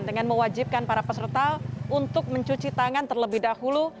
dengan mewajibkan para peserta untuk mencuci tangan terlebih dahulu